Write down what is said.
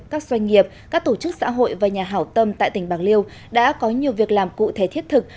các doanh nghiệp các tổ chức xã hội và nhà hảo tâm tại tỉnh bạc liêu đã có nhiều việc làm cụ thể thiết thực